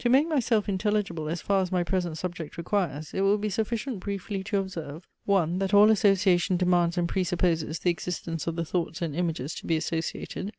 To make myself intelligible as far as my present subject requires, it will be sufficient briefly to observe. 1. That all association demands and presupposes the existence of the thoughts and images to be associated.